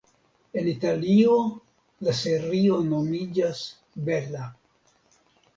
En Italio la serio nomiĝas "Bela".